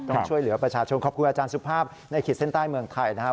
ช่วยเหลือประชาชนขอบคุณอาจารย์สุภาพในขีดเส้นใต้เมืองไทยนะครับ